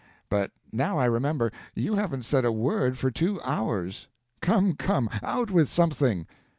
But now I remember, you haven't said a word for two hours. Come, come, out with something!"